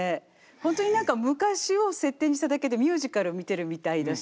ホントに何か昔を設定にしただけでミュージカルを見てるみたいだし。